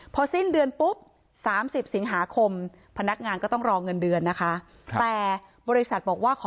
เพราะไม่มีเงินไปกินหรูอยู่สบายแบบสร้างภาพ